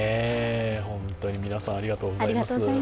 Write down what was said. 本当に皆さん、ありがとうございます。